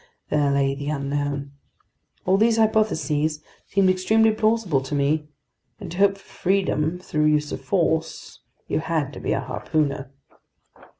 There lay the unknown. All these hypotheses seemed extremely plausible to me, and to hope for freedom through use of force, you had to be a harpooner.